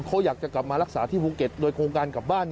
เขาอยากจะกลับมารักษาที่ภูเก็ตโดยโครงการกลับบ้าน